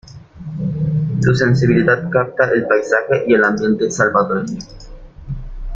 Su sensibilidad capta el paisaje y el ambiente salvadoreño.